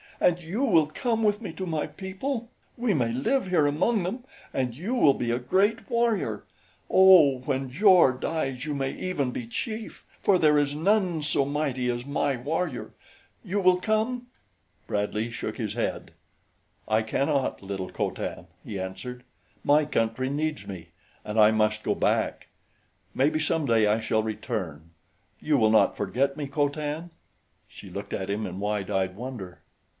"And you will come with me to my people? We may live here among them, and you will be a great warrior oh, when Jor dies you may even be chief, for there is none so mighty as my warrior. You will come?" Bradley shook his head. "I cannot, little Co Tan," he answered. "My country needs me, and I must go back. Maybe someday I shall return. You will not forget me, Co Tan?" She looked at him in wide eyed wonder.